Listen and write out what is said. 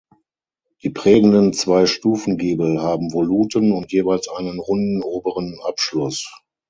Die prägenden zwei Stufengiebel haben Voluten und jeweils einen runden oberen Abschluss.